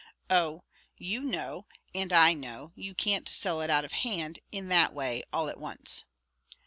"Oh! you know, and I know, you can't sell it out of hand, in that way, all at once."